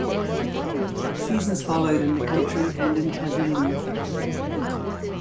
Seasons followed in the country and in Tasmania.